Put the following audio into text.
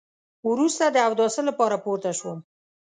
وروسته د اوداسه لپاره پورته شوم.